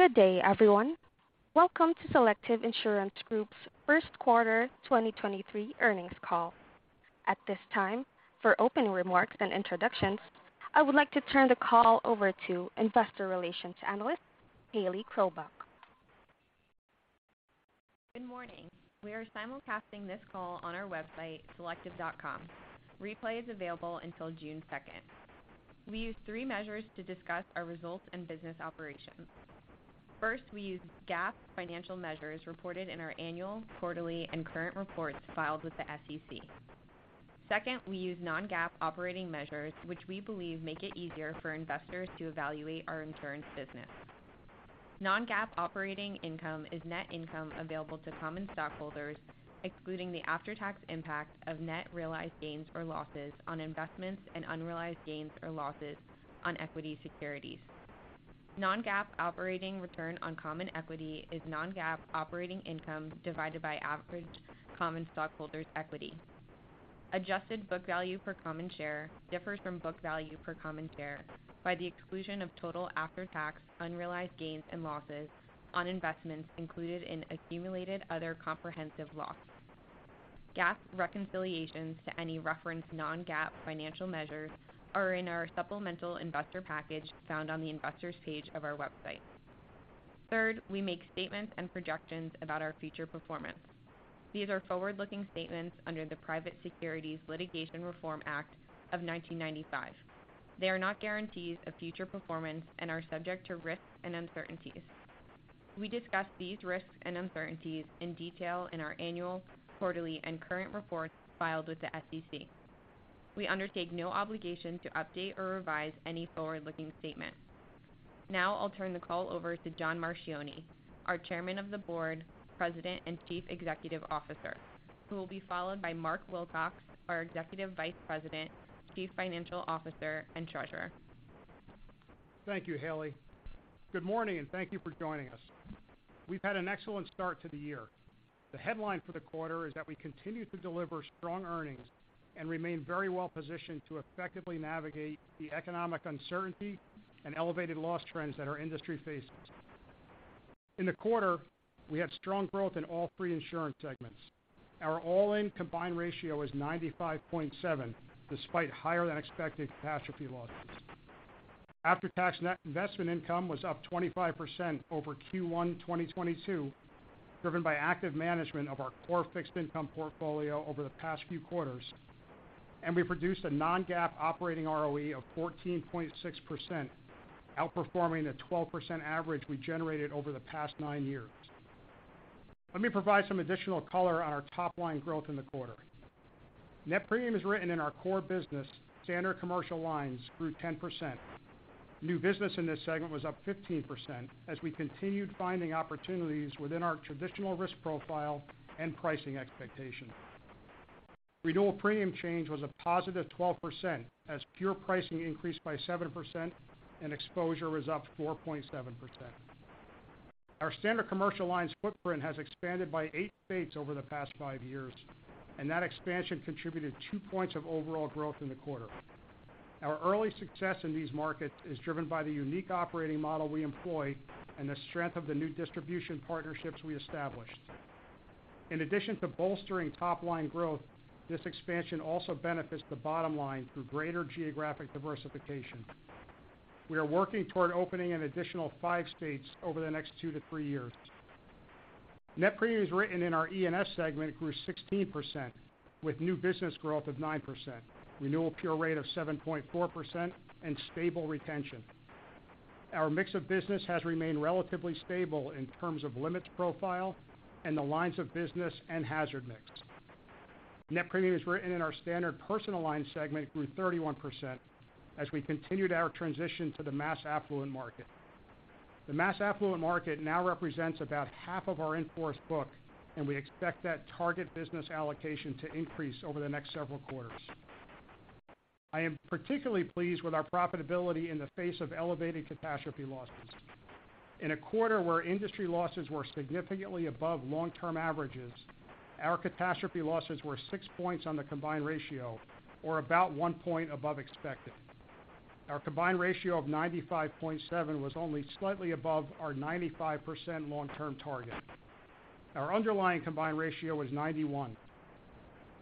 Good day, everyone. Welcome to Selective Insurance Group's first quarter 2023 earnings call. At this time, for opening remarks and introductions, I would like to turn the call over to Investor Relations Analyst, Haley Chrobock. Good morning. We are simulcasting this call on our website, selective.com. Replay is available until June second. We use three measures to discuss our results and business operations. First, we use GAAP financial measures reported in our annual, quarterly, and current reports filed with the SEC. Second, we use non-GAAP operating measures, which we believe make it easier for investors to evaluate our insurance business. Non-GAAP operating income is net income available to common stockholders, excluding the after-tax impact of net realized gains or losses on investments and unrealized gains or losses on equity securities. Non-GAAP operating return on common equity is non-GAAP operating income divided by average common stockholders' equity. Adjusted book value per common share differs from book value per common share by the exclusion of total after-tax unrealized gains and losses on investments included in accumulated other comprehensive loss. GAAP reconciliations to any referenced non-GAAP financial measures are in our supplemental investor package found on the Investors page of our website. Third, we make statements and projections about our future performance. These are forward-looking statements under the Private Securities Litigation Reform Act of 1995. They are not guarantees of future performance and are subject to risks and uncertainties. We discuss these risks and uncertainties in detail in our annual, quarterly, and current reports filed with the SEC. We undertake no obligation to update or revise any forward-looking statement. Now I'll turn the call over to John Marchioni, our chairman of the board, president, and chief executive officer, who will be followed by Mark Wilcox, our executive vice president, chief financial officer, and treasurer. Thank you, Haley. Good morning, and thank you for joining us. We've had an excellent start to the year. The headline for the quarter is that we continue to deliver strong earnings and remain very well-positioned to effectively navigate the economic uncertainty and elevated loss trends that our industry faces. In the quarter, we had strong growth in all three insurance segments. Our all-in combined ratio is 95.7, despite higher-than-expected catastrophe losses. After-tax net investment income was up 25% over Q1 2022, driven by active management of our core fixed income portfolio over the past few quarters, and we produced a non-GAAP operating ROE of 14.6%, outperforming the 12% average we generated over the past nine years. Let me provide some additional color on our top-line growth in the quarter. Net premiums written in our core business, Standard Commercial Lines, grew 10%. New business in this segment was up 15% as we continued finding opportunities within our traditional risk profile and pricing expectations. Renewal premium change was a positive 12% as pure pricing increased by 7% and exposure was up 4.7%. Our Standard Commercial Lines footprint has expanded by eight states over the past five years, and that expansion contributed two points of overall growth in the quarter. Our early success in these markets is driven by the unique operating model we employ and the strength of the new distribution partnerships we established. In addition to bolstering top-line growth, this expansion also benefits the bottom line through greater geographic diversification. We are working toward opening in additional five states over the next two to three years. Net premiums written in our E&S segment grew 16%, with new business growth of 9%, renewal pure rate of 7.4%, and stable retention. Our mix of business has remained relatively stable in terms of limits profile and the lines of business and hazard mix. Net premiums written in our Standard Personal Lines segment grew 31% as we continued our transition to the mass affluent market. The mass affluent market now represents about half of our in-force book, and we expect that target business allocation to increase over the next several quarters. I am particularly pleased with our profitability in the face of elevated catastrophe losses. In a quarter where industry losses were significantly above long-term averages, our catastrophe losses were 6 points on the combined ratio or about 1 point above expected. Our combined ratio of 95.7 was only slightly above our 95% long-term target. Our underlying combined ratio was 91.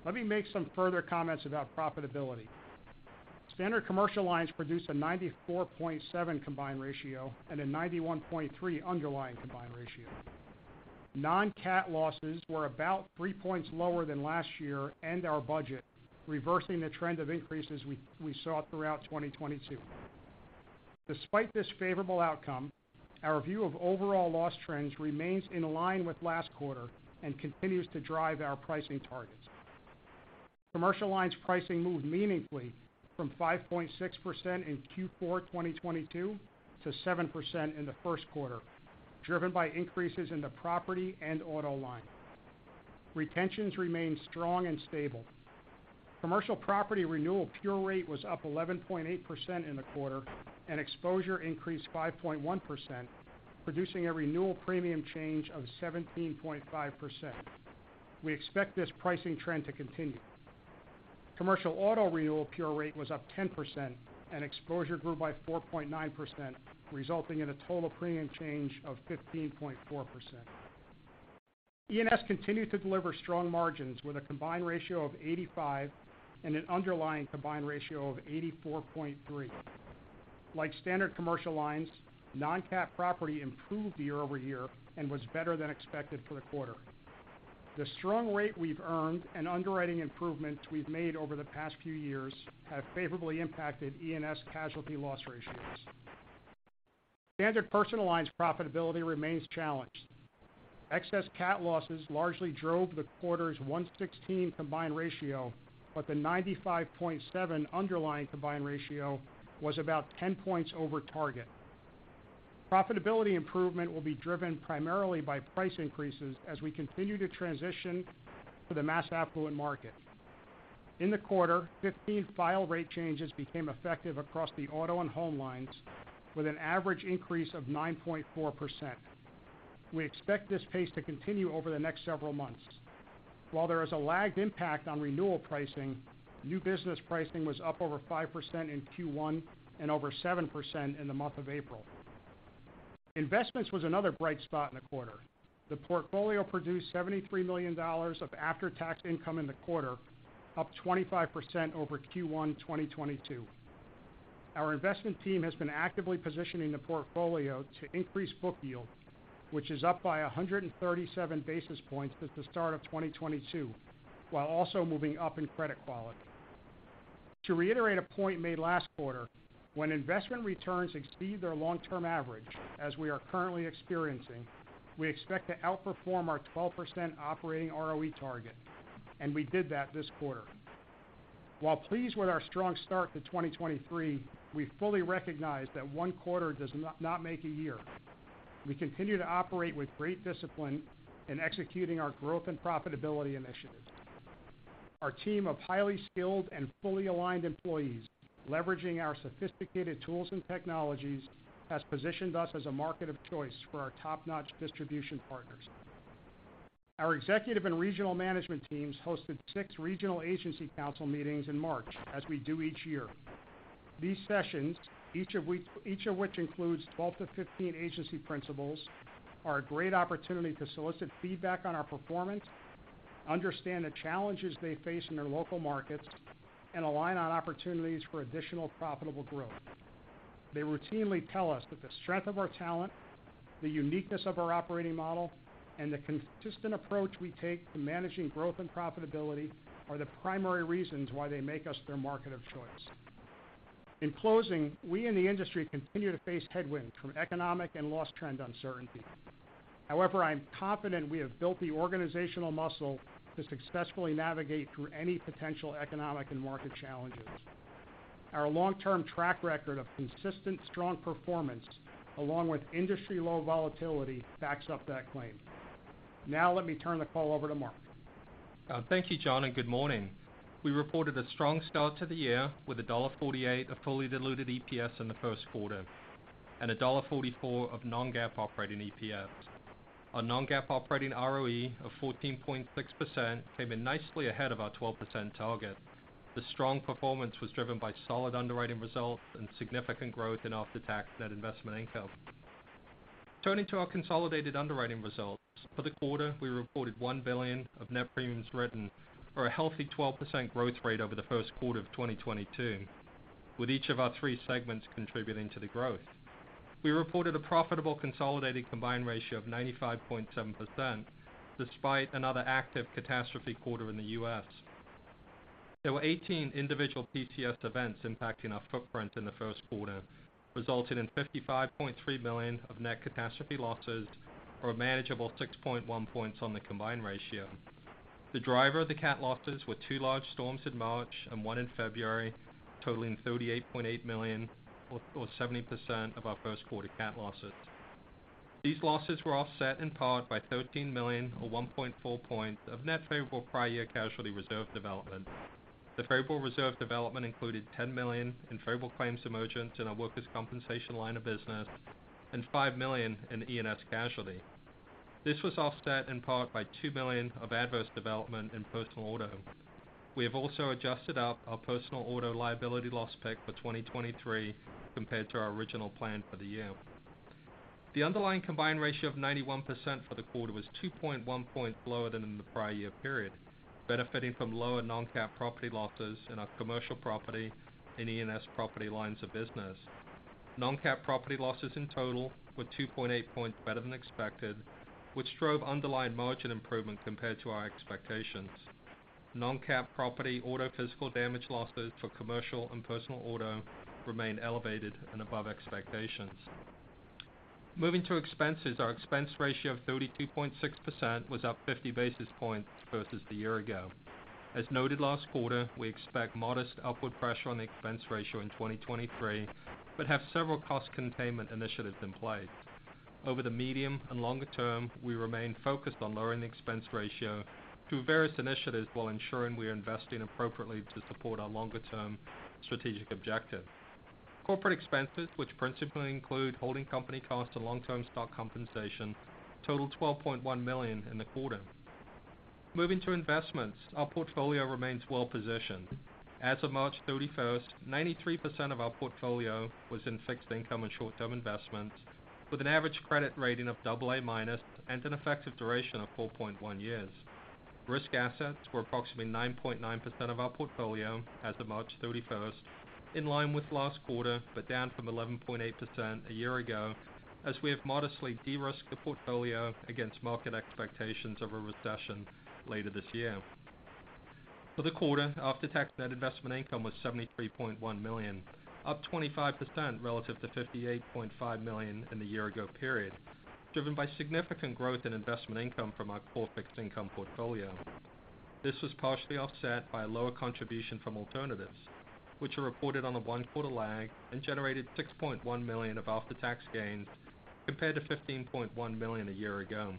Let me make some further comments about profitability. Standard Commercial Lines produced a 94.7 combined ratio and a 91.3 underlying combined ratio. Non-cat losses were about 3 points lower than last year and our budget, reversing the trend of increases we saw throughout 2022. Despite this favorable outcome, our view of overall loss trends remains in line with last quarter and continues to drive our pricing targets. Commercial Lines pricing moved meaningfully from 5.6% in Q4 2022 to 7% in the first quarter, driven by increases in the property and auto line. Retentions remained strong and stable. Commercial property renewal pure rate was up 11.8% in the quarter, and exposure increased 5.1%, producing a renewal premium change of 17.5%. We expect this pricing trend to continue. Commercial auto renewal pure rate was up 10% and exposure grew by 4.9%, resulting in a total premium change of 15.4%. E&S continued to deliver strong margins with a combined ratio of 85 and an underlying combined ratio of 84.3. Like Standard Commercial Lines, non-cat property improved year-over-year and was better than expected for the quarter. The strong rate we've earned and underwriting improvements we've made over the past few years have favorably impacted E&S casualty loss ratios. Standard Personal Lines profitability remains challenged. Excess cat losses largely drove the quarter's 116 combined ratio, the 95.7 underlying combined ratio was about 10 points over target. Profitability improvement will be driven primarily by price increases as we continue to transition to the mass affluent market. In the quarter, 15 file rate changes became effective across the auto and home lines with an average increase of 9.4%. We expect this pace to continue over the next several months. While there is a lagged impact on renewal pricing, new business pricing was up over 5% in Q1 and over 7% in the month of April. Investments was another bright spot in the quarter. The portfolio produced $73 million of after-tax income in the quarter, up 25% over Q1 2022. Our investment team has been actively positioning the portfolio to increase book yield, which is up by 137 basis points at the start of 2022, while also moving up in credit quality. To reiterate a point made last quarter, when investment returns exceed their long-term average, as we are currently experiencing, we expect to outperform our 12% operating ROE target. We did that this quarter. While pleased with our strong start to 2023, we fully recognize that one quarter does not make a year. We continue to operate with great discipline in executing our growth and profitability initiatives. Our team of highly skilled and fully aligned employees, leveraging our sophisticated tools and technologies, has positioned us as a market of choice for our top-notch distribution partners. Our executive and regional management teams hosted six regional agency council meetings in March, as we do each year. These sessions, each of which includes 12 to 15 agency principals, are a great opportunity to solicit feedback on our performance, understand the challenges they face in their local markets, and align on opportunities for additional profitable growth. They routinely tell us that the strength of our talent, the uniqueness of our operating model, and the consistent approach we take to managing growth and profitability are the primary reasons why they make us their market of choice. In closing, we in the industry continue to face headwinds from economic and loss trend uncertainty. However, I am confident we have built the organizational muscle to successfully navigate through any potential economic and market challenges. Our long-term track record of consistent strong performance, along with industry-low volatility, backs up that claim. Now let me turn the call over to Mark. Thank you, John, and good morning. We reported a strong start to the year with $1.48 of fully diluted EPS in the first quarter and $1.44 of non-GAAP operating EPS. Our non-GAAP operating ROE of 14.6% came in nicely ahead of our 12% target. The strong performance was driven by solid underwriting results and significant growth in after-tax net investment income. Turning to our consolidated underwriting results. For the quarter, we reported $1 billion of net premiums written for a healthy 12% growth rate over the first quarter of 2022, with each of our three segments contributing to the growth. We reported a profitable consolidated combined ratio of 95.7% despite another active catastrophe quarter in the U.S. There were 18 individual PCS events impacting our footprint in the first quarter, resulting in $55.3 million of net catastrophe losses or a manageable 6.1 points on the combined ratio. The driver of the cat losses were two large storms in March and one in February, totaling $38.8 million or 70% of our first quarter cat losses. These losses were offset in part by $13 million or 1.4 points of net favorable prior year casualty reserve development. The favorable reserve development included $10 million in favorable claims emergence in our workers' compensation line of business and $5 million in E&S casualty. This was offset in part by $2 million of adverse development in personal auto. We have also adjusted up our personal auto liability loss pick for 2023 compared to our original plan for the year. The underlying combined ratio of 91% for the quarter was 2.1 points lower than in the prior year period, benefiting from lower non-cap property losses in our commercial property and E&S property lines of business. Non-cap property losses in total were 2.8 points better than expected, which drove underlying margin improvement compared to our expectations. Non-cap property auto physical damage losses for commercial and personal auto remain elevated and above expectations. Moving to expenses, our expense ratio of 32.6% was up 50 basis points versus the year ago. As noted last quarter, we expect modest upward pressure on the expense ratio in 2023, but have several cost containment initiatives in place. Over the medium and longer term, we remain focused on lowering the expense ratio through various initiatives while ensuring we are investing appropriately to support our longer-term strategic objective. Corporate expenses, which principally include holding company costs and long-term stock compensation, totaled $12.1 million in the quarter. Moving to investments. Our portfolio remains well-positioned. As of March 31st, 93% of our portfolio was in fixed income and short-term investments with an average credit rating of double A minus and an effective duration of 4.1 years. Risk assets were approximately 9.9% of our portfolio as of March 31st, in line with last quarter, but down from 11.8% a year ago, as we have modestly de-risked the portfolio against market expectations of a recession later this year. For the quarter, after-tax net investment income was $73.1 million, up 25% relative to $58.5 million in the year ago period, driven by significant growth in investment income from our core fixed income portfolio. This was partially offset by a lower contribution from alternatives, which are reported on a one-quarter lag and generated $6.1 million of after-tax gains compared to $15.1 million a year ago.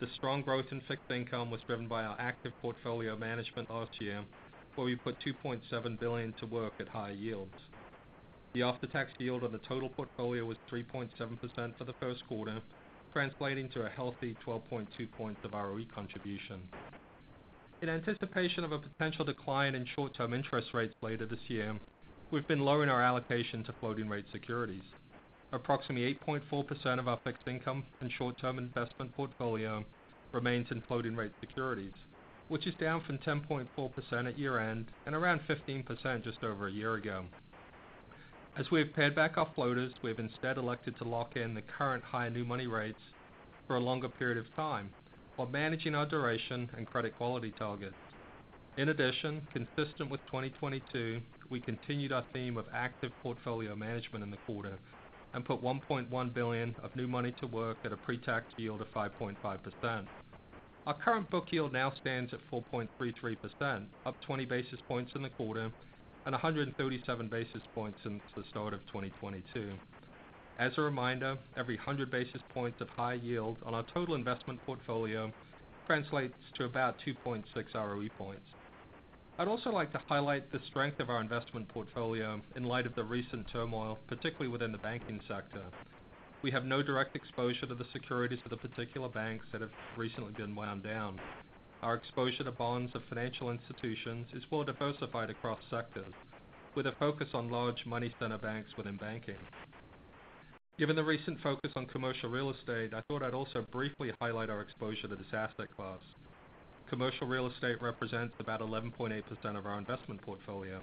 The strong growth in fixed income was driven by our active portfolio management last year, where we put $2.7 billion to work at high yields. The after-tax yield on the total portfolio was 3.7% for the first quarter, translating to a healthy 12.2 points of ROE contribution. In anticipation of a potential decline in short-term interest rates later this year, we've been lowering our allocation to floating rate securities. Approximately 8.4% of our fixed income and short-term investment portfolio remains in floating rate securities, which is down from 10.4% at year-end and around 15% just over a year ago. As we have paid back our floaters, we have instead elected to lock in the current high new money rates for a longer period of time while managing our duration and credit quality targets. In addition, consistent with 2022, we continued our theme of active portfolio management in the quarter and put $1.1 billion of new money to work at a pre-tax yield of 5.5%. Our current book yield now stands at 4.33%, up 20 basis points in the quarter and 137 basis points since the start of 2022. As a reminder, every 100 basis points of high yield on our total investment portfolio translates to about 2.6 ROE points. I'd also like to highlight the strength of our investment portfolio in light of the recent turmoil, particularly within the banking sector. We have no direct exposure to the securities for the particular banks that have recently been wound down. Our exposure to bonds of financial institutions is well diversified across sectors, with a focus on large money center banks within banking. Given the recent focus on commercial real estate, I thought I'd also briefly highlight our exposure to this asset class. Commercial real estate represents about 11.8% of our investment portfolio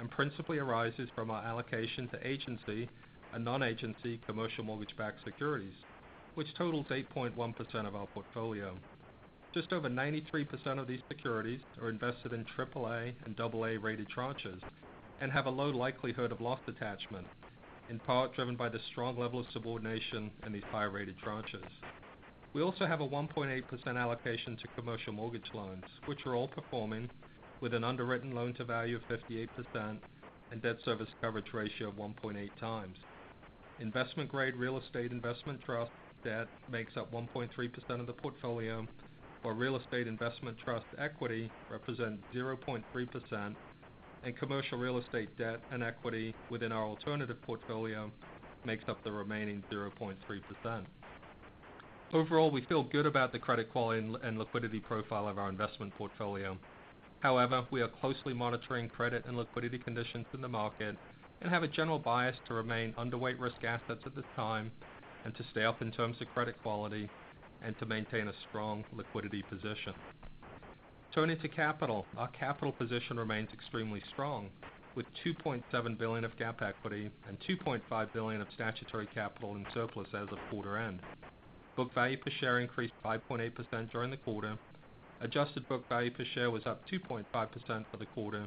and principally arises from our allocation to agency and non-agency commercial mortgage-backed securities, which totals 8.1% of our portfolio. Just over 93% of these securities are invested in AAA and AA rated tranches and have a low likelihood of loss attachment, in part driven by the strong level of subordination in these high-rated tranches. We also have a 1.8% allocation to commercial mortgage loans, which are all performing with an underwritten loan to value of 58% and debt service coverage ratio of 1.8 times. Investment-grade real estate investment trust debt makes up 1.3% of the portfolio, while real estate investment trust equity represents 0.3%, and commercial real estate debt and equity within our alternative portfolio makes up the remaining 0.3%. Overall, we feel good about the credit quality and liquidity profile of our investment portfolio. However, we are closely monitoring credit and liquidity conditions in the market and have a general bias to remain underweight risk assets at this time and to stay up in terms of credit quality and to maintain a strong liquidity position. Turning to capital. Our capital position remains extremely strong, with $2.7 billion of GAAP equity and $2.5 billion of statutory capital in surplus as of quarter end. Book value per share increased 5.8% during the quarter. Adjusted book value per share was up 2.5% for the quarter,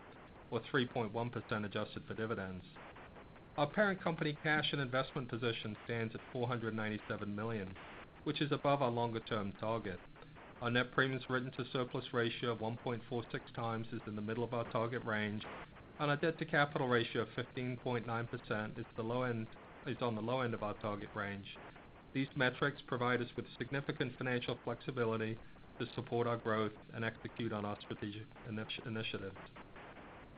or 3.1% adjusted for dividends. Our parent company cash and investment position stands at $497 million, which is above our longer-term target. Our net premiums written to surplus ratio of 1.46 times is in the middle of our target range, and our debt to capital ratio of 15.9% is on the low end of our target range. These metrics provide us with significant financial flexibility to support our growth and execute on our strategic initiative.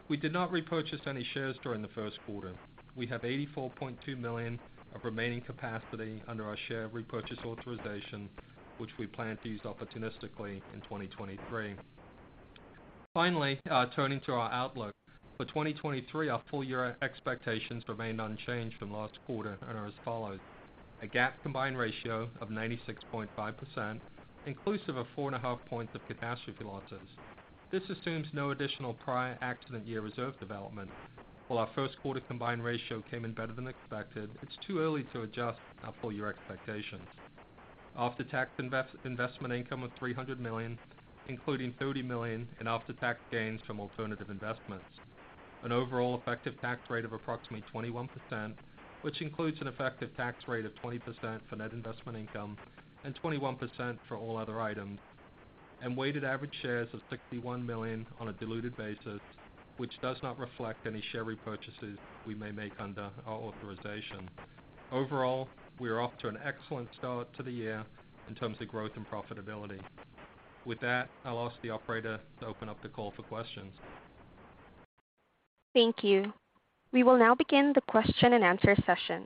We did not repurchase any shares during the first quarter. We have $84.2 million of remaining capacity under our share repurchase authorization, which we plan to use opportunistically in 2023. Turning to our outlook. For 2023, our full year expectations remain unchanged from last quarter and are as follows: A GAAP combined ratio of 96.5%, inclusive of 4.5 points of catastrophe losses. This assumes no additional prior accident year reserve development. While our first quarter combined ratio came in better than expected, it's too early to adjust our full year expectations. After-tax investment income of $300 million, including $30 million in after-tax gains from alternative investments. An overall effective tax rate of approximately 21%, which includes an effective tax rate of 20% for net investment income and 21% for all other items, and weighted average shares of 61 million on a diluted basis, which does not reflect any share repurchases we may make under our authorization. Overall, we are off to an excellent start to the year in terms of growth and profitability. With that, I'll ask the operator to open up the call for questions. Thank you. We will now begin the question and answer session.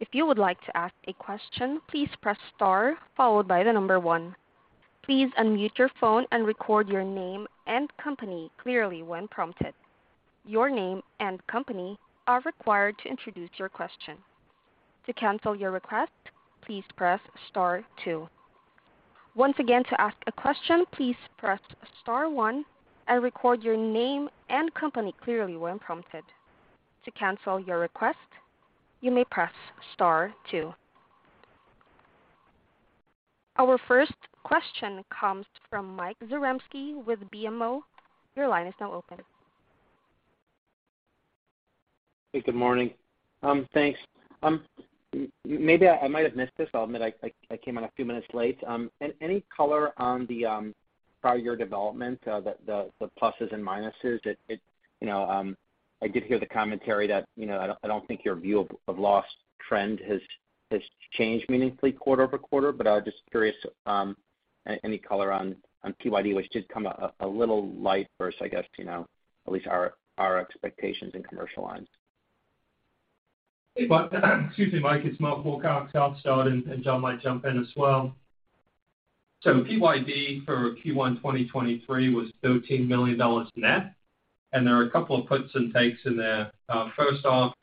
If you would like to ask a question, please press star followed by the number one. Please unmute your phone and record your name and company clearly when prompted. Your name and company are required to introduce your question. To cancel your request, please press star two. Once again, to ask a question, please press star one and record your name and company clearly when prompted. To cancel your request, you may press star two. Our first question comes from Mike Zaremski with BMO. Your line is now open. Hey, good morning. Thanks. Maybe I might have missed this. I'll admit I came in a few minutes late. Any color on the prior year development, the pluses and minuses? You know, I did hear the commentary that, you know, I don't think your view of loss trend has changed meaningfully quarter-over-quarter. I was just curious, any color on PYD, which did come a little light versus, I guess, you know, at least our expectations in commercial lines. Hey, Mike. Excuse me, Mike, it's Mark Wilcox. I'll start, and John might jump in as well. PYD for Q1 2023 was $13 million net, and there are a couple of puts and takes in there. First off,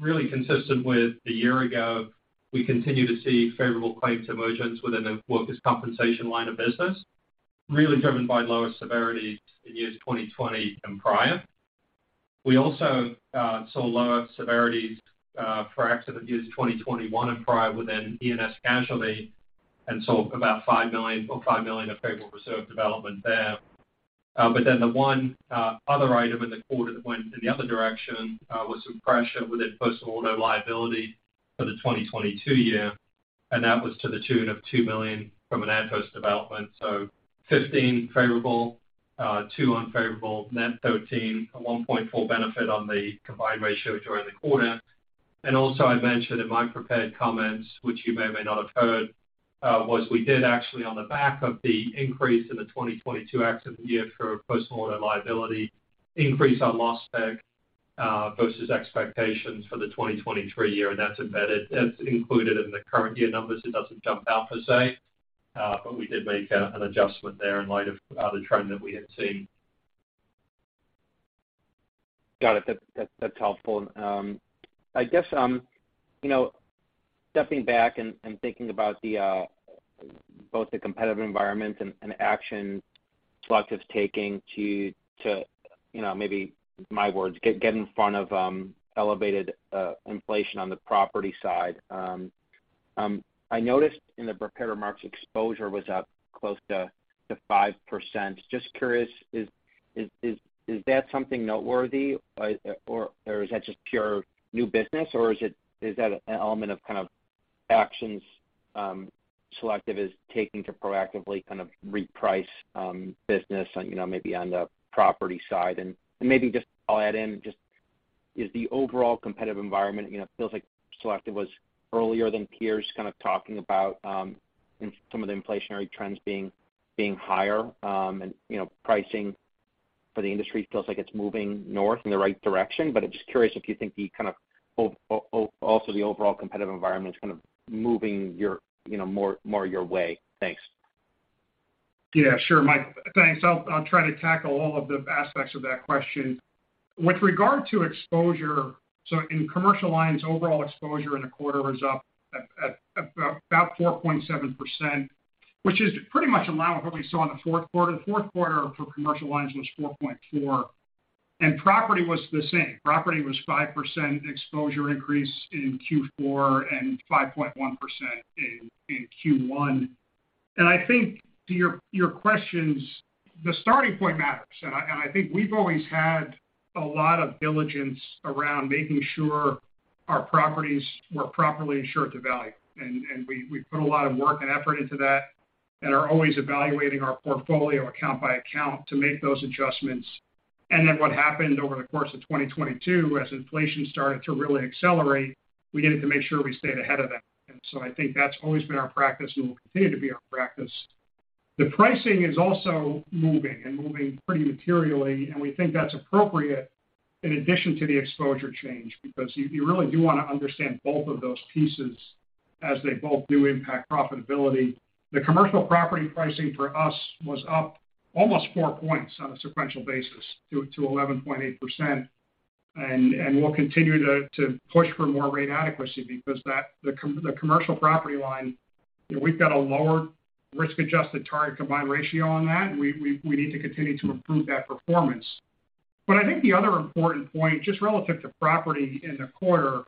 really consistent with a year ago, we continue to see favorable claims emergence within the workers' compensation line of business, really driven by lower severities in years 2020 and prior. We also saw lower severities for accident years 2021 and prior within E&S casualty, and saw about $5 million of favorable reserve development there. Then the one other item in the quarter that went in the other direction was some pressure within personal auto liability for the 2022 year, and that was to the tune of $2 million from an at-cost development of 15 favorable, two unfavorable, net 13, a 1.4 benefit on the combined ratio during the quarter. I mentioned in my prepared comments, which you may or may not have heard, was we did actually on the back of the increase in the 2022 accident year for personal auto liability, increase our loss spec versus expectations for the 2023 year, and that's embedded. That's included in the current year numbers. It doesn't jump out per se. We did make an adjustment there in light of the trend that we had seen. Got it. That's helpful. I guess, you know, stepping back and thinking about the both the competitive environment and action Selective's taking to, you know, maybe my words, get in front of elevated inflation on the property side. I noticed in the prepared remarks exposure was up close to 5%. Just curious, is that something noteworthy? Or, or is that just pure new business or is that an element of kind of actions Selective is taking to proactively kind of reprice business, you know, maybe on the property side? Maybe just I'll add in just is the overall competitive environment, you know, feels like Selective was earlier than peers kind of talking about in some of the inflationary trends being higher, and, you know, pricing for the industry feels like it's moving north in the right direction. I'm just curious if you think the kind of also the overall competitive environment is kind of moving your, you know, more your way. Thanks. Yeah, sure, Mike. Thanks. I'll try to tackle all of the aspects of that question. With regard to exposure, in Commercial Lines, overall exposure in the quarter was up about 4.7%, which is pretty much in line with what we saw in the fourth quarter. The fourth quarter for Commercial Lines was 4.4%, property was the same. Property was 5% exposure increase in Q4, 5.1% in Q1. I think to your questions, the starting point matters. I think we've always had a lot of diligence around making sure our properties were properly insured to value. We put a lot of work and effort into that and are always evaluating our portfolio account by account to make those adjustments. What happened over the course of 2022, as inflation started to really accelerate, we needed to make sure we stayed ahead of that. I think that's always been our practice and will continue to be our practice. The pricing is also moving and moving pretty materially, and we think that's appropriate in addition to the exposure change because you really do wanna understand both of those pieces as they both do impact profitability. The commercial property pricing for us was up almost 4 points on a sequential basis to 11.8%. We'll continue to push for more rate adequacy because the commercial property line, you know, we've got a lower risk-adjusted target combined ratio on that. We need to continue to improve that performance. I think the other important point, just relative to property in the quarter,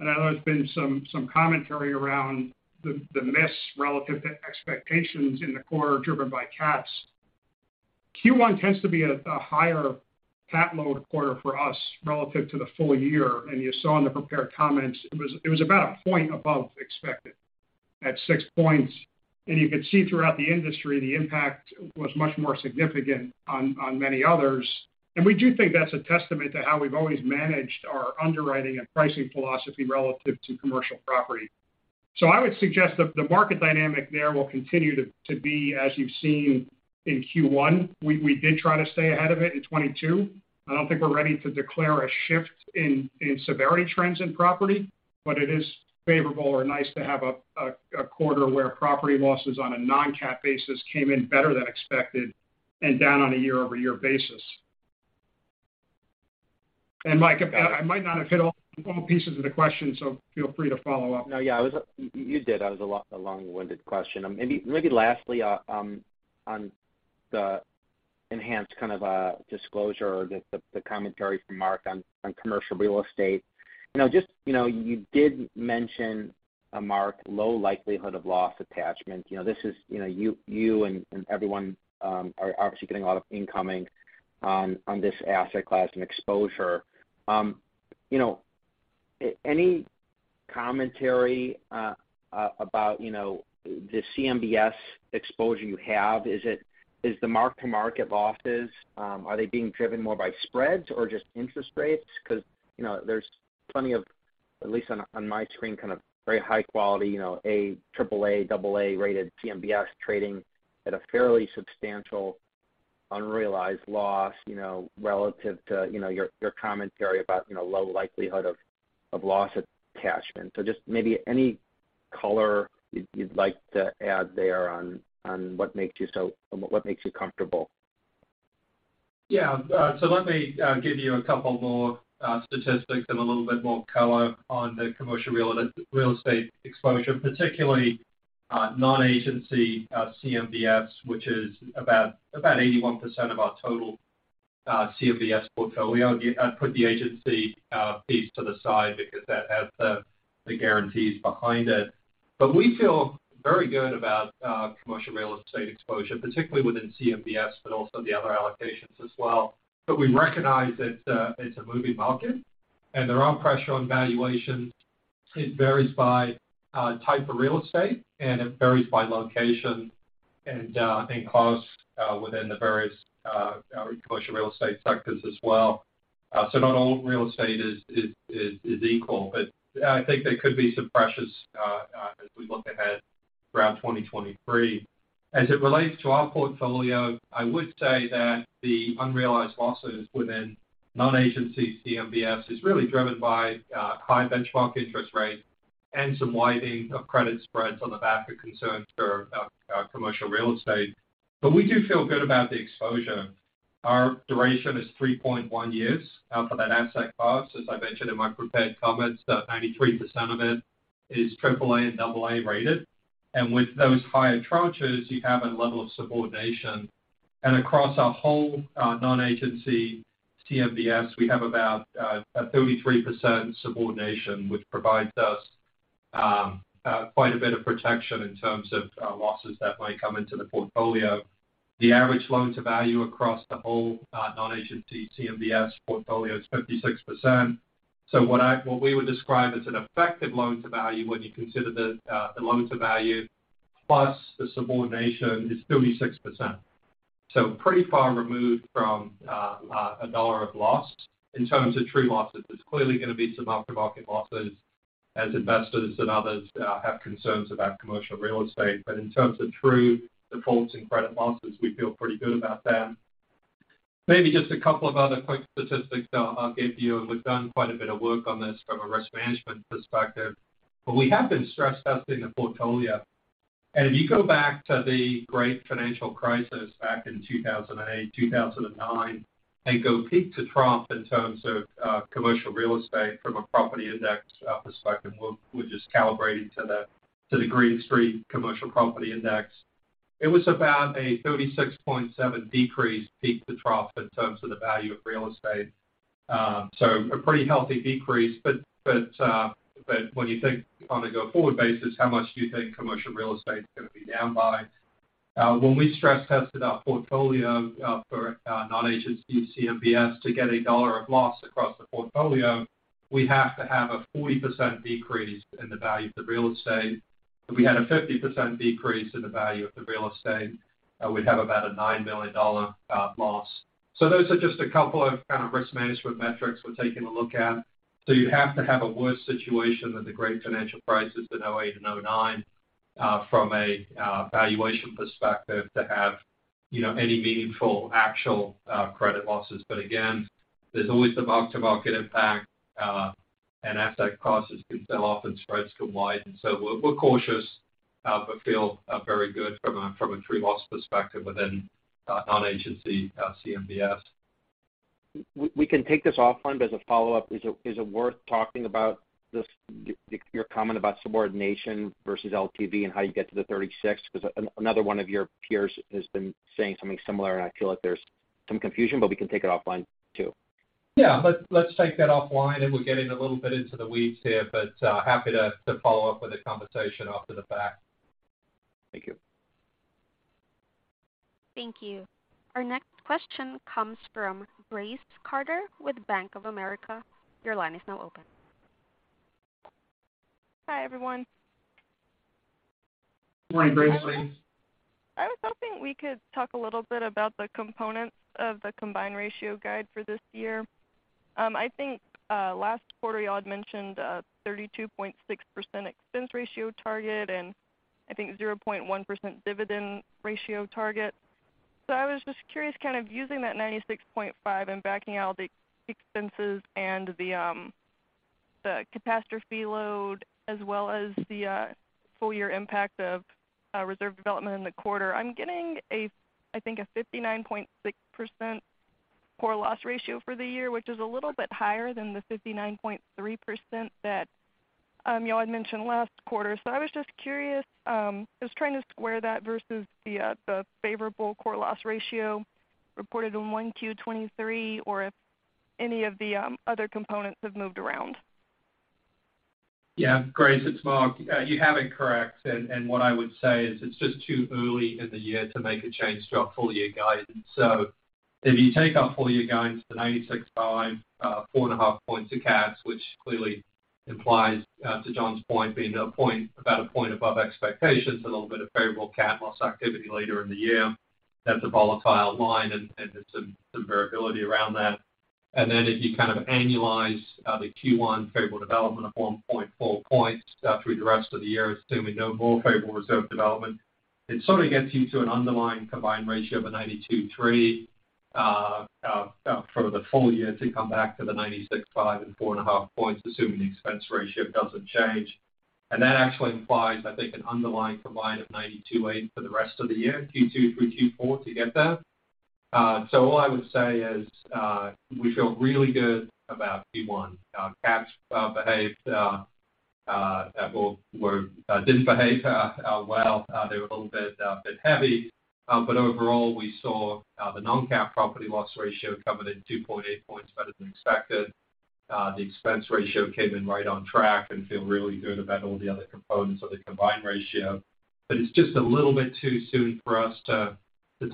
and I know there's been some commentary around the miss relative to expectations in the quarter driven by cats. Q1 tends to be a higher cat load quarter for us relative to the full year. You saw in the prepared comments it was about a point above expected at 6 points. You could see throughout the industry, the impact was much more significant on many others. We do think that's a testament to how we've always managed our underwriting and pricing philosophy relative to commercial property. I would suggest that the market dynamic there will continue to be as you've seen In Q1, we did try to stay ahead of it in 2022. I don't think we're ready to declare a shift in severity trends in property, but it is favorable or nice to have a quarter where property losses on a non-cat basis came in better than expected and down on a year-over-year basis. Mike, I might not have hit all pieces of the question, so feel free to follow up. No, yeah, I was. You did. That was a long-winded question. Maybe lastly, on the enhanced kind of disclosure or the commentary from Mark on commercial real estate. You know, just, you did mention, Mark, low likelihood of loss attachment. You know, this is, you know, you and everyone are obviously getting a lot of incoming on this asset class and exposure. You know, any commentary about, you know, the CMBS exposure you have, is the mark-to-market losses are they being driven more by spreads or just interest rates? Because, you know, there's plenty of, at least on my screen, kind of very high quality, you know, A, AAA, AA rated CMBS trading at a fairly substantial unrealized loss, you know, relative to, you know, your commentary about, you know, low likelihood of loss attachment. Just maybe any color you'd like to add there on what makes you comfortable? Yeah. Let me give you a couple more statistics and a little bit more color on the commercial real estate exposure, particularly non-agency CMBS, which is about 81% of our total CMBS portfolio. I'll put the agency piece to the side because that has the guarantees behind it. We feel very good about commercial real estate exposure, particularly within CMBS, but also the other allocations as well. We recognize that it's a moving market, and there are pressure on valuations. It varies by type of real estate, and it varies by location and cost within the various commercial real estate sectors as well. Not all real estate is equal. I think there could be some pressures as we look ahead throughout 2023. As it relates to our portfolio, I would say that the unrealized losses within non-agency CMBS is really driven by high benchmark interest rates and some widening of credit spreads on the back of concerns for commercial real estate. We do feel good about the exposure. Our duration is 3.1 years for that asset class. As I mentioned in my prepared comments, 93% of it is AAA and AA rated. With those higher tranches, you have a level of subordination. Across our whole non-agency CMBS, we have about a 33% subordination, which provides us quite a bit of protection in terms of losses that may come into the portfolio. The average loan to value across the whole non-agency CMBS portfolio is 56%. What we would describe as an effective loan to value when you consider the loan to value plus the subordination is 36%. Pretty far removed from $1 of loss in terms of true losses. There's clearly gonna be some aftermarket losses as investors and others have concerns about commercial real estate. In terms of true defaults and credit losses, we feel pretty good about that. Maybe just a couple of other quick statistics that I'll give you. We've done quite a bit of work on this from a risk management perspective, but we have been stress testing the portfolio. If you go back to the great financial crisis back in 2008, 2009, and go peak to trough in terms of commercial real estate from a property index perspective, we're just calibrating to the Green Street Commercial Property Index. It was about a 36.7% decrease peak to trough in terms of the value of real estate. A pretty healthy decrease. When you think on a go-forward basis, how much do you think commercial real estate is gonna be down by? When we stress tested our portfolio for non-agency CMBS to get a $1 of loss across the portfolio, we have to have a 40% decrease in the value of the real estate. If we had a 50% decrease in the value of the real estate, we'd have about a $9 million loss. Those are just a couple of kind of risk management metrics we're taking a look at. You have to have a worse situation than the great financial crisis in 2008 and 2009, from a, valuation perspective to have, you know, any meaningful actual, credit losses. Again, there's always the mark-to-market impact, and asset prices can sell off and spreads can widen. We're cautious, but feel, very good from a true loss perspective within, non-agency, CMBS. We can take this offline. As a follow-up, is it worth talking about this, your comment about subordination versus LTV and how you get to the 36? Another one of your peers has been saying something similar, and I feel like there's some confusion. We can take it offline too. Yeah. Let's take that offline, and we're getting a little bit into the weeds here, but happy to follow up with a conversation after the fact. Thank you. Thank you. Our next question comes from Grace Carter with Bank of America. Your line is now open. Hi, everyone. Morning, Grace. I was hoping we could talk a little bit about the components of the combined ratio guide for this year. I think last quarter, you all had mentioned 32.6% expense ratio target and I think 0.1% dividend ratio target. I was just curious, kind of using that 96.5 and backing out the expenses and the catastrophe load as well as the full year impact of reserve development in the quarter. I'm getting a 59.6% core loss ratio for the year, which is a little bit higher than the 59.3% that you all had mentioned last quarter. I was just curious, just trying to square that versus the favorable core loss ratio reported in 1Q 2023 or if any of the other components have moved around. Yeah, Grace, it's Mark. You have it correct. What I would say is it's just too early in the year to make a change to our full year guidance. If you take our full year guidance to 96.5, four and a half points of cats, which clearly implies, to John's point, being about a point above expectations, a little bit of favorable cat loss activity later in the year. That's a volatile line and there's some variability around that. If you kind of annualize the Q1 favorable development of 1.4 points through the rest of the year, assuming no more favorable reserve development, it sort of gets you to an underlying combined ratio of a 92.3 for the full year to come back to the 96.5 and 4.5 points, assuming the expense ratio doesn't change. That actually implies, I think, an underlying combined of 92.8 for the rest of the year, Q2 through Q4 to get there. All I would say is, we feel really good about Q1. Our caps didn't behave well. They were a little bit heavy. Overall, we saw the non-cap property loss ratio come in at 2.8 points better than expected. The expense ratio came in right on track and feel really good about all the other components of the combined ratio. It's just a little bit too soon for us to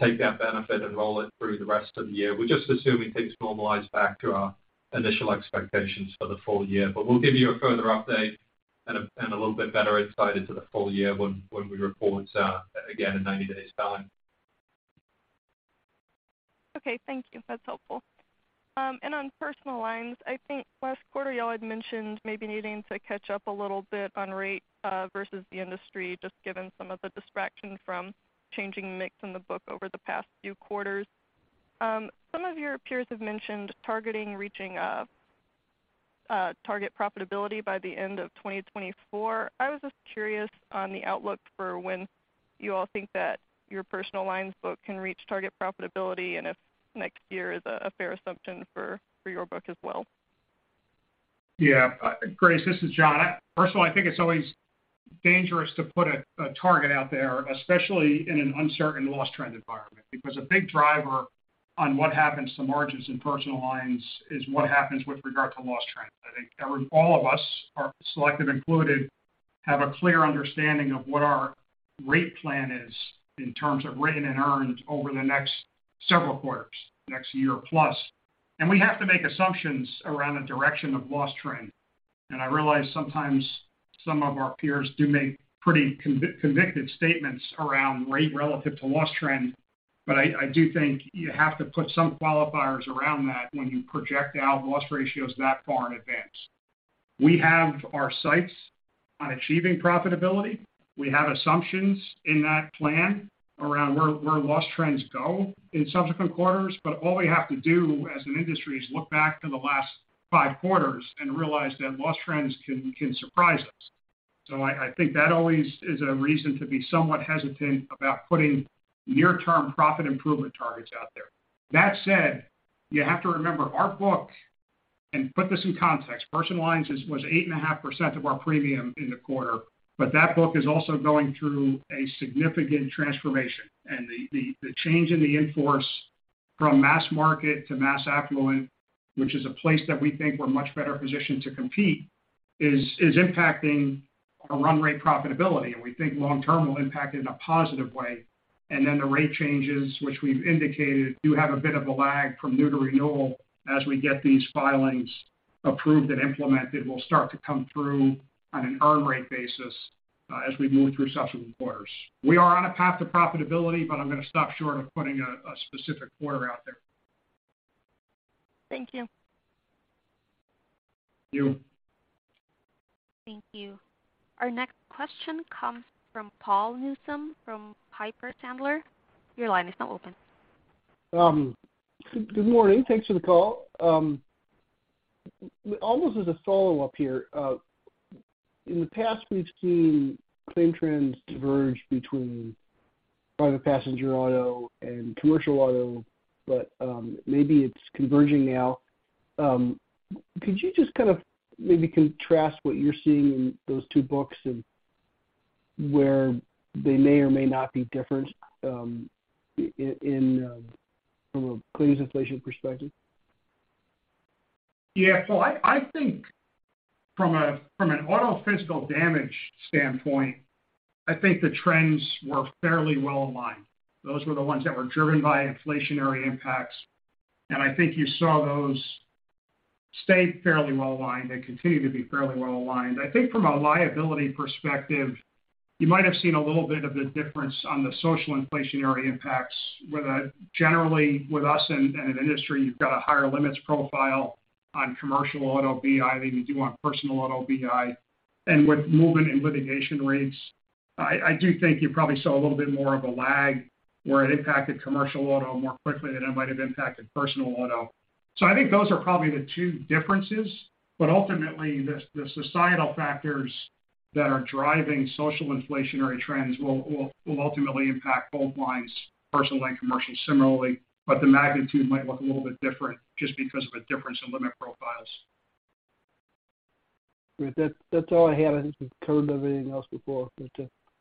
take that benefit and roll it through the rest of the year. We're just assuming things normalize back to our initial expectations for the full year. We'll give you a further update and a little bit better insight into the full year when we report again in 90 days time. Okay, thank you. That's helpful. On Personal Lines, I think last quarter, y'all had mentioned maybe needing to catch up a little bit on rate versus the industry, just given some of the distraction from changing mix in the book over the past few quarters. Some of your peers have mentioned targeting reaching a target profitability by the end of 2024. I was just curious on the outlook for when you all think that your personal lines book can reach target profitability, and if next year is a fair assumption for your book as well. Yeah. Grace, this is John. First of all, I think it's always dangerous to put a target out there, especially in an uncertain loss trend environment, because a big driver on what happens to margins in personal lines is what happens with regard to loss trends. I think all of us, our Selective included, have a clear understanding of what our rate plan is in terms of written and earned over the next several quarters, next year plus. We have to make assumptions around the direction of loss trend. I realize sometimes some of our peers do make pretty convicted statements around rate relative to loss trend. I do think you have to put some qualifiers around that when you project out loss ratios that far in advance. We have our sights on achieving profitability. We have assumptions in that plan around where loss trends go in subsequent quarters. All we have to do as an industry is look back to the last five quarters and realize that loss trends can surprise us. I think that always is a reason to be somewhat hesitant about putting near term profit improvement targets out there. That said, you have to remember our book, and put this in context, personal lines is, was 8.5% of our premium in the quarter, but that book is also going through a significant transformation. The change in the in force from mass market to mass affluent, which is a place that we think we're much better positioned to compete, is impacting our run rate profitability. We think long-term will impact it in a positive way. Then the rate changes which we've indicated do have a bit of a lag from new to renewal as we get these filings approved and implemented, will start to come through on an earn rate basis as we move through subsequent quarters. We are on a path to profitability, but I'm gonna stop short of putting a specific quarter out there. Thank you. Thank you. Thank you. Our next question comes from Paul Newsome from Piper Sandler. Your line is now open. Good morning. Thanks for the call. Almost as a follow-up here. In the past, we've seen claim trends diverge between private passenger auto and commercial auto, but maybe it's converging now. Could you just kind of maybe contrast what you're seeing in those two books and where they may or may not be different, in, from a claims inflation perspective? Yeah. I think from an auto physical damage standpoint, I think the trends were fairly well aligned. Those were the ones that were driven by inflationary impacts. I think you saw those stay fairly well aligned. They continue to be fairly well aligned. I think from a liability perspective. You might have seen a little bit of the difference on the social inflationary impacts, where that generally with us and an industry, you've got a higher limits profile on commercial auto BI than you do on personal auto BI. With movement in litigation rates, I do think you probably saw a little bit more of a lag where it impacted commercial auto more quickly than it might have impacted personal auto. I think those are probably the two differences. Ultimately, the societal factors that are driving social inflationary trends will ultimately impact both lines, personal and commercial similarly, but the magnitude might look a little bit different just because of a difference in limit profiles. Great. That's all I had. I think we've covered everything else before.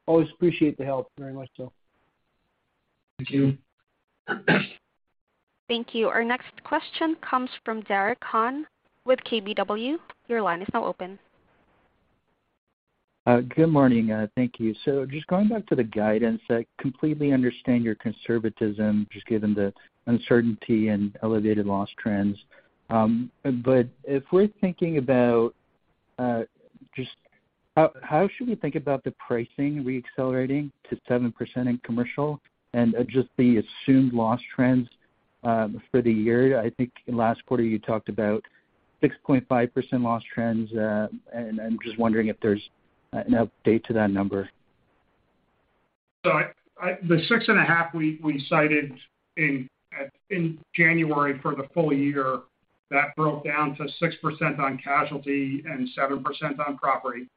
Always appreciate the help. Very much so. Thank you. Thank you. Our next question comes from Derek Han with KBW. Your line is now open. Good morning. Thank you. Just going back to the guidance. I completely understand your conservatism, just given the uncertainty and elevated loss trends. If we're thinking about just how should we think about the pricing re-accelerating to 7% in commercial and just the assumed loss trends for the year? I think last quarter you talked about 6.5% loss trends, and just wondering if there's an update to that number. The 6.5 we cited in January for the full year, that broke down to 6% on casualty and 7% on property.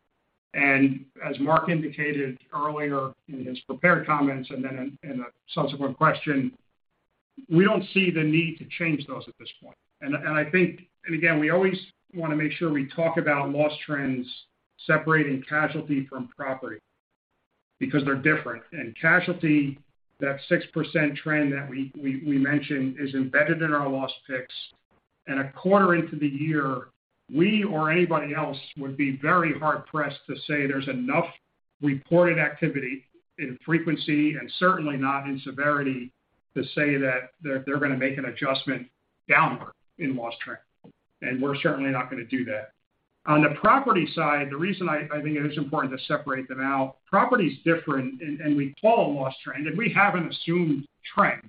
As Mark indicated earlier in his prepared comments and then in a subsequent question, we don't see the need to change those at this point. Again, we always wanna make sure we talk about loss trends separating casualty from property because they're different. In casualty, that 6% trend that we mentioned is embedded in our loss picks. A quarter into the year, we or anybody else would be very hard pressed to say there's enough reported activity in frequency, and certainly not in severity, to say that they're gonna make an adjustment downward in loss trend. We're certainly not gonna do that. On the property side, the reason I think it is important to separate them out, property is different, and we call a loss trend. We have an assumed trend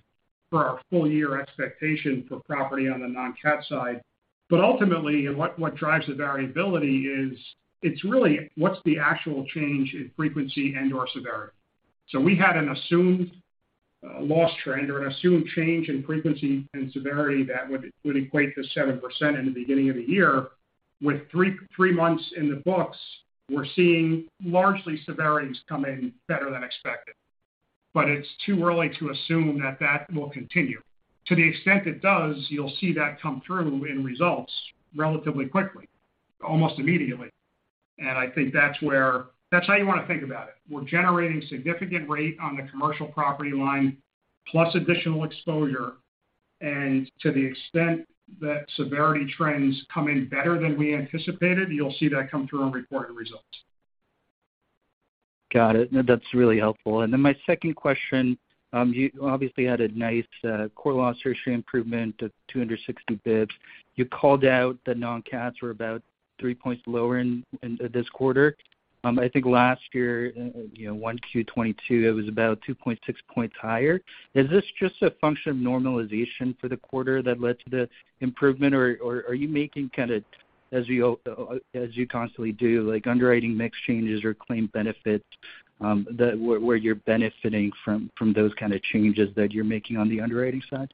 for our full year expectation for property on the non-cat side. Ultimately, what drives the variability is it's really what's the actual change in frequency and/or severity. We had an assumed loss trend or an assumed change in frequency and severity that would equate to 7% in the beginning of the year. With three months in the books, we're seeing largely severities come in better than expected, but it's too early to assume that that will continue. To the extent it does, you'll see that come through in results relatively quickly, almost immediately. I think that's where that's how you wanna think about it. We're generating significant rate on the commercial property line, plus additional exposure. To the extent that severity trends come in better than we anticipated, you'll see that come through in reported results. Got it. No, that's really helpful. My second question. You obviously had a nice core loss ratio improvement of 260 basis points. You called out that non-cat were about 3 points lower in this quarter. I think last year, you know, 1Q 2022, it was about 2.6 points higher. Is this just a function of normalization for the quarter that led to the improvement? Or are you making kind of as you constantly do, like underwriting mix changes or claim benefits where you're benefiting from those kinda changes that you're making on the underwriting side?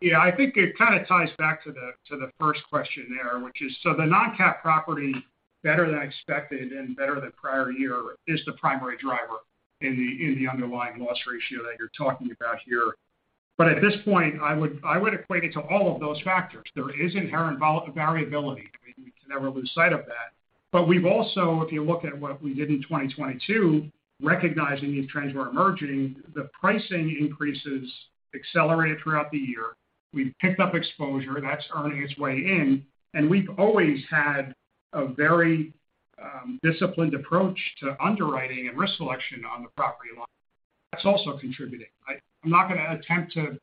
Yeah. I think it kind of ties back to the, to the first question there, which is the non-cat property, better than expected and better than prior year, is the primary driver in the, in the underlying loss ratio that you're talking about here. At this point, I would equate it to all of those factors. There is inherent variability. I mean, we can never lose sight of that. We've also, if you look at what we did in 2022, recognizing these trends were emerging, the pricing increases accelerated throughout the year. We've picked up exposure, that's earning its way in, and we've always had a very disciplined approach to underwriting and risk selection on the property line. That's also contributing. I'm not gonna attempt to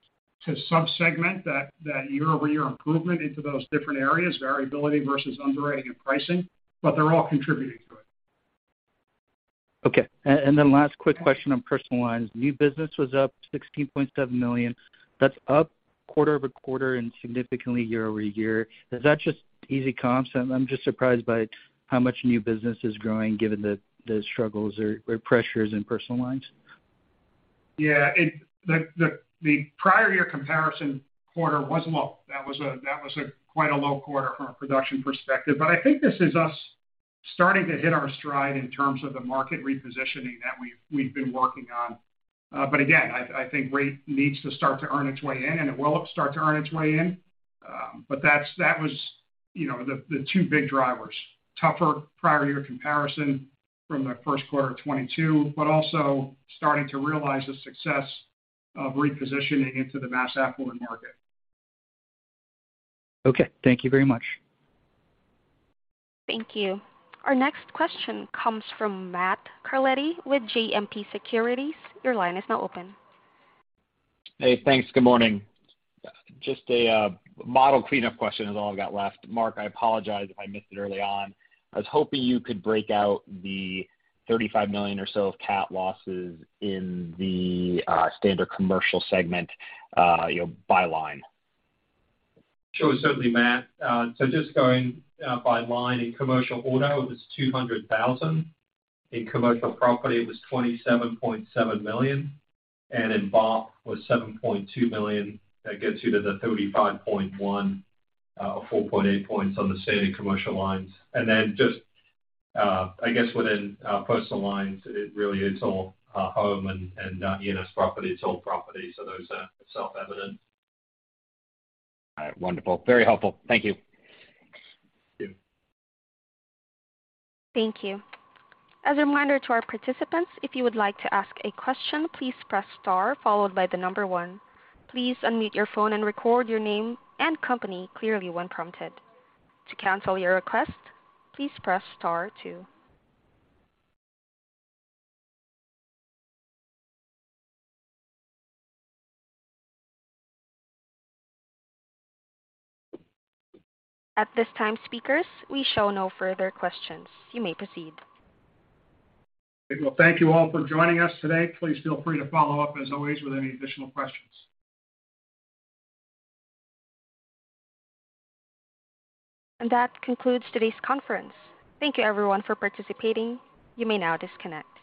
sub-segment that year-over-year improvement into those different areas, variability versus underwriting and pricing, but they're all contributing to it. Okay. And then last quick question on personal lines. New business was up $16.7 million. That's up quarter-over-quarter and significantly year-over-year. Is that just easy comps? I'm just surprised by how much new business is growing given the struggles or pressures in personal lines. The prior year comparison quarter was low. That was a quite a low quarter from a production perspective. I think this is us starting to hit our stride in terms of the market repositioning that we've been working on. Again, I think rate needs to start to earn its way in, and it will start to earn its way in. That's, that was, you know, the two big drivers. Tougher prior year comparison from the first quarter of 2022, but also starting to realize the success of repositioning into the mass affluent market. Okay. Thank you very much. Thank you. Our next question comes from Matt Carletti with JMP Securities. Your line is now open. Hey, thanks. Good morning. Just a model cleanup question is all I've got left. Mark, I apologize if I missed it early on. I was hoping you could break out the $35 million or so of cat losses in the Standard Commercial segment, you know, by line. Sure. Certainly, Matt. Just going by line. In commercial auto, it was $200,000. In commercial property, it was $27.7 million. In BOP it was $7.2 million. That gets you to the $35.1 million or 4.8 points on the Standard Commercial Lines. Just I guess within personal lines, it really is all home and E&S property. It's all property, those are self-evident. All right. Wonderful. Very helpful. Thank you. Thanks. Thank you. As a reminder to our participants, if you would like to ask a question, please press star followed by one. Please unmute your phone and record your name and company clearly when prompted. To cancel your request, please press star two. At this time, speakers, we show no further questions. You may proceed. Well, thank you all for joining us today. Please feel free to follow up, as always, with any additional questions. That concludes today's conference. Thank you everyone for participating. You may now disconnect.